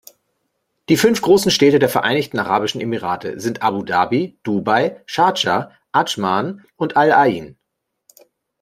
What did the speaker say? Die fünf großen Städte der Vereinigten Arabischen Emirate sind Abu Dhabi, Dubai, Schardscha, Adschman und Al-Ain.